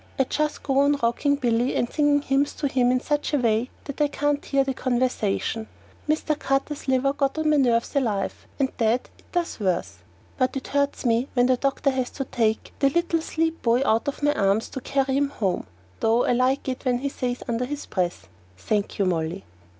I just go on rocking Billy and singing hymns to him in such a way that I can't hear the conversation. Mr. Carter's liver got on my nerves alive, and dead it does worse. But it hurts when the doctor has to take the little sleep boy out of my arms to carry him home; though I like it when he says under his breath, "Thank you, Molly."